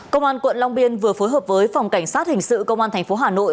công an quận long biên vừa phối hợp với phòng cảnh sát hình sự công an tp hà nội